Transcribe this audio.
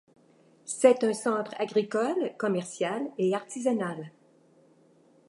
C'est un centre agricole, commercial et artisanal.